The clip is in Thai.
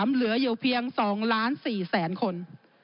เหลืออยู่เพียง๒ล้าน๔แสนคน